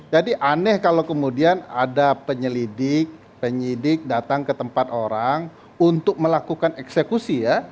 aneh kalau kemudian ada penyelidik penyidik datang ke tempat orang untuk melakukan eksekusi ya